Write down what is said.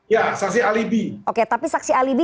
ya saksi alibi oke tapi saksi alibi